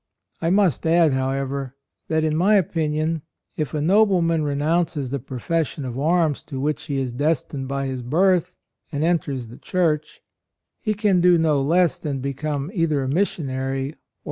I must add, however, that, in my opinion, if a nobleman renounces the profession of arms to which he is destined by his birth and enters the Church, he can do no less than become either a missionary or AND MOTHER.